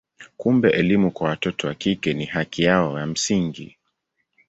Kumbe elimu kwa watoto wa kike ni haki yao ya msingi.